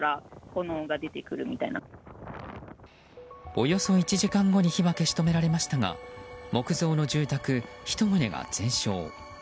およそ１時間後に火は消し止められましたが木造の住宅１棟が全焼。